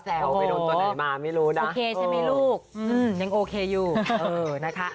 ไปโดนตัวไหนมาไม่รู้นะโอเคใช่ไหมลูกยังโอเคอยู่เออนะคะ